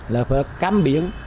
là phải cắm biến